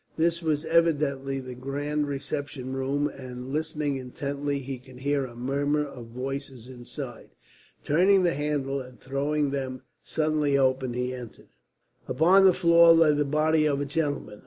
This was evidently the grand reception room and, listening intently, he could hear a murmur of voices inside. Turning the handle and throwing them suddenly open, he entered. Upon the floor lay the body of a gentleman.